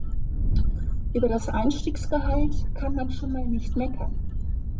Über das Einstiegsgehalt kann man schon mal nicht meckern.